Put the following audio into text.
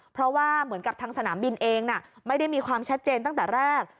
เพราะว่าเหมือนกับทางสนามบินเองไม่ได้มีความชัดเจนตั้งแต่แรก